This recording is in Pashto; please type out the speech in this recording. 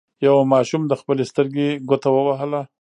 یوه ماشوم د خپلې سترګې ګوته ووهله.